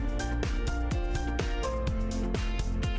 dan dalam perhubungan kebijakan dan kebijakan